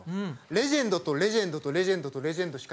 レジェンドとレジェンドとレジェンドとレジェンドしかいない番組。